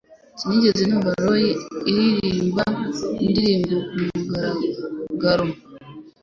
Sinigeze numva Roy aririmba indirimbo kumugaragaro